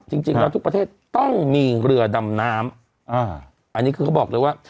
จริงแล้วทุกประเทศต้องมีเรือดำน้ำอ่าอันนี้คือเขาบอกเลยว่า